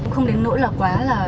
không đến nỗi là quá là